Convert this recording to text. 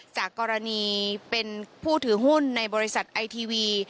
จากกรณีเป็นผู้ถือหุ้นในบริษัทไอทีวี